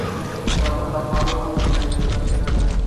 کابل د افغانانو د معیشت سرچینه ده.